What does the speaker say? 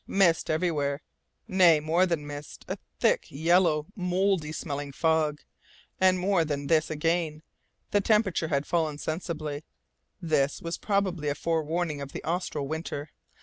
Mist, everywhere! Nay, more than mist, a thick yellow, mouldy smelling fog. And more than this again; the temperature had fallen sensibly: this was probably a forewarning of the austral winter.